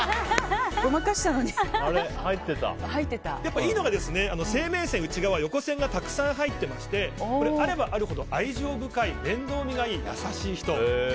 いいのが、生命線が内側横線がたくさん入っていましてこれ、あればあるほど愛情深い、面倒見がいい優しい人。